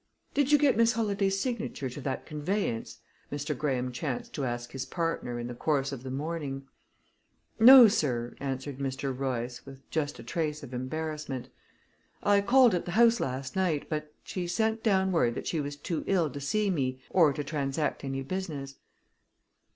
"Did you get Miss Holladay's signature to that conveyance?" Mr. Graham chanced to ask his partner in the course of the morning. "No, sir," answered Mr. Royce, with just a trace of embarrassment. "I called at the house last night, but she sent down word that she was too ill to see me or to transact any business."